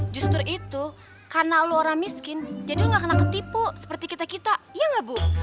justru itu karena lo orang miskin jadi lo ga kena ketipu seperti kita kita iya ga bu